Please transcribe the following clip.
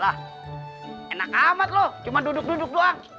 lah enak amat lo cuma duduk duduk doang